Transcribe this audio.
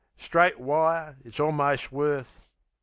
Straight wire, it's almost worth...